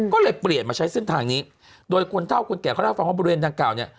ก็เลยเปลี่ยนมาใช้เส้นทางนี้โดยคนเท่าคนแก่เขาเล่าให้ฟังว่าบริเวณดังกล่าวเนี่ย